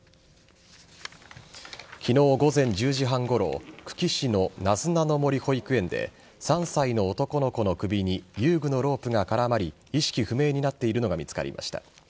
昨日午前１０時半ごろ久喜市のなずなの森保育園で３歳の男の子の首に遊具のロープが絡まり意識不明になっているのが見つかりました。